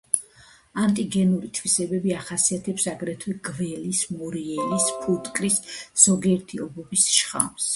ანტიგენური თვისებები ახასიათებს აგრეთვე გველის, მორიელის, ფუტკრის, ზოგიერთი ობობის შხამს.